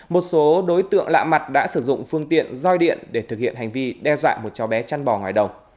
một số đối tượng lạ mặt đã sử dụng phương tiện doi điện để thực hiện hành vi đe dọa một cháu bé chăn bò ngoài đầu